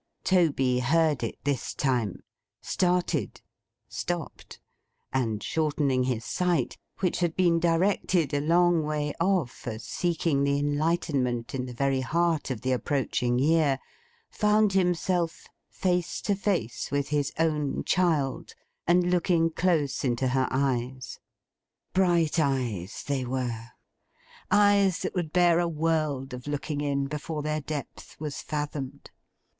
Toby heard it this time; started; stopped; and shortening his sight, which had been directed a long way off as seeking the enlightenment in the very heart of the approaching year, found himself face to face with his own child, and looking close into her eyes. Bright eyes they were. Eyes that would bear a world of looking in, before their depth was fathomed.